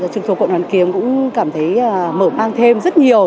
trực thuộc quận hoàn kiếm cũng cảm thấy mở mang thêm rất nhiều